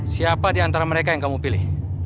siapa diantara mereka yang kamu pilih